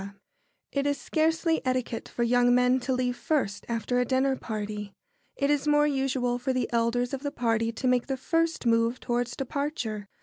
] It is scarcely etiquette for young men to leave first after a dinner party. It is more usual for the elders of the party to make the first move towards departure.